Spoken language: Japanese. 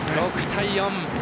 ６対４。